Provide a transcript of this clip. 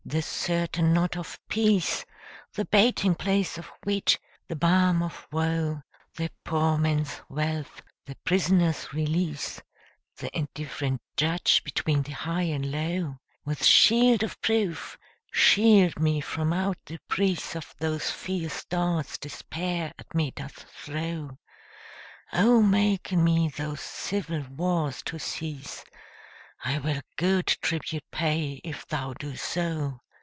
the certain knot of peace, The baiting place of wit, the balm of woe, The poor man's wealth, the prisoner's release, Th' indifferent judge between the high and low; With shield of proof, shield me from out the preaseOf those fierce darts Despair at me doth throw:O make in me those civil wars to cease;I will good tribute pay, if thou do so.